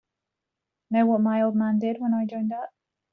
Know what my old man did when I joined up?